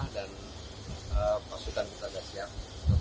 dan pasukan kita siap